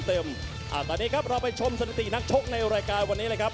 ตอนนี้ครับเราไปชมสถิตินักชกในรายการวันนี้เลยครับ